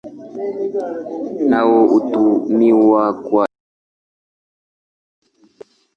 Nao hutumiwa kwa kilimo.